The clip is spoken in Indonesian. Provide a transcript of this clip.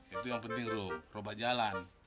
itu yang penting ruh roba jalan